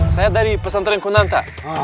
saya dari pesantren kunanta